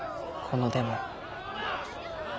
このデモ。